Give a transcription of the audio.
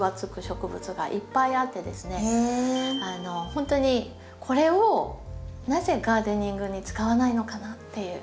ほんとにこれをなぜガーデニングに使わないのかなっていう。